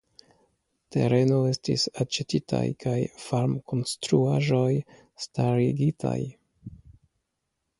Tereno estis aĉetitaj kaj farmkonstruaĵoj starigitaj.